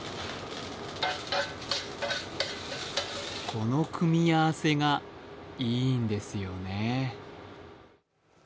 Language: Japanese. この組み合わせがいいんですよね。